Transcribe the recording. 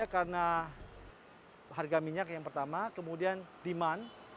karena harga minyak yang pertama kemudian demand